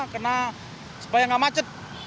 karena supaya nggak macet